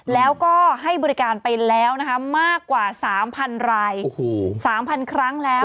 แล้วก็ให้บริการไปแล้วนะคะมากกว่า๓๐๐ราย๓๐๐ครั้งแล้ว